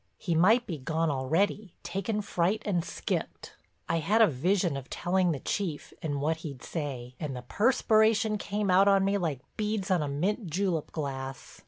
He might be gone already, taken fright and skipped! I had a vision of telling the Chief and what he'd say, and the perspiration came out on me like the beads on a mint julep glass.